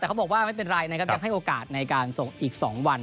แต่เขาบอกว่าไม่เป็นไรนะครับยังให้โอกาสในการส่งอีก๒วัน